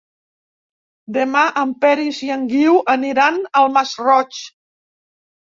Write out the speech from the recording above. Demà en Peris i en Guiu aniran al Masroig.